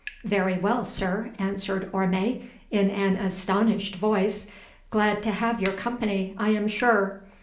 "Very well, sir," answered Orme in an astonished voice, "glad to have your company, I am sure.